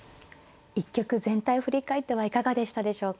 一局全体を振り返ってはいかがでしたでしょうか。